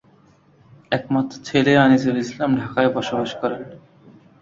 একমাত্র ছেলে আনিসুল ইসলাম ঢাকায় বসবাস করেন।